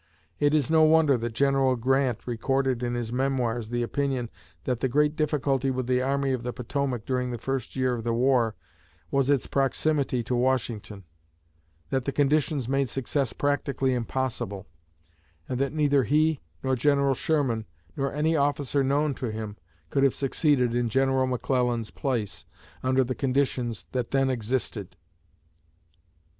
It is no wonder that General Grant recorded in his Memoirs the opinion that the great difficulty with the Army of the Potomac during the first year of the war was its proximity to Washington; that the conditions made success practically impossible; and that neither he, nor General Sherman, nor any officer known to him, could have succeeded in General McClellan's place, under the conditions that then existed.